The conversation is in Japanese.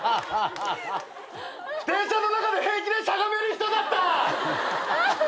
電車の中で平気でしゃがめる人だった！